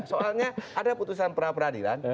soalnya ada putusan peradilan